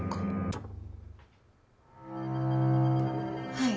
はい。